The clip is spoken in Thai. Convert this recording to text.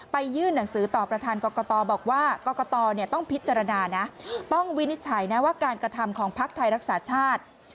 ยื่นหนังสือต่อประธานกรกตบอกว่ากรกตต้องพิจารณานะต้องวินิจฉัยนะว่าการกระทำของภักดิ์ไทยรักษาชาติ